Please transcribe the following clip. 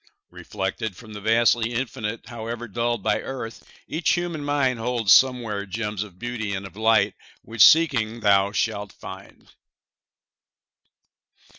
Reflected from the vastly Infinite, However dulled by earth, each human mind Holds somewhere gems of beauty and of light Which, seeking, thou shalt find.